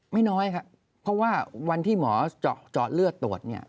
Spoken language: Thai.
ไม่น้อยครับเพราะว่าวันที่หมอเจาะเลือดตรวจเนี่ย